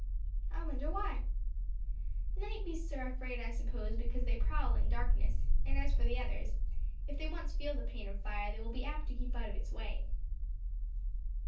"I wonder why?" "Night beasts are afraid I suppose, because they prowl in darkness; and as for the others, if they once feel the pain of fire they will be apt to keep out of its way."